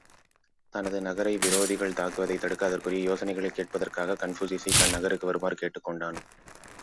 தனது நகரை விரோதிகள் தாக்குவதைத் தடுக்க, அதற்குரிய யோசனைகளைக் கேட்பதற்காகக் கன்பூசியசைத் தன் நகருக்கு வருமாறு கேட்டுக் கொண்டான்.